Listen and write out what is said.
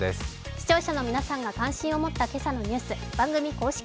視聴者の皆さんが関心を持ったニュース、番組公式